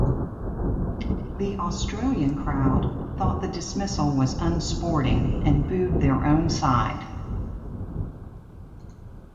The Australian crowd thought the dismissal was unsporting, and booed their own side.